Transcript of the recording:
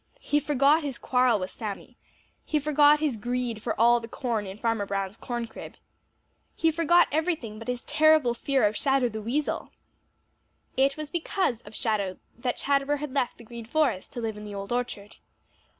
He forgot his quarrel with Sammy. He forgot his greed for all the corn in Farmer Brown's corn crib. He forgot everything but his terrible fear of Shadow the Weasel. It was because of Shadow that Chatterer had left the Green Forest to live in the Old Orchard.